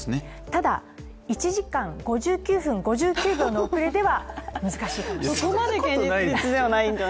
ただ、１時間５９分５９秒の遅れでは難しいかもしれない。